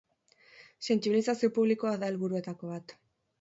Sentsibilizazio publikoa da helburuetako bat.